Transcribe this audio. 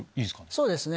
そうですね。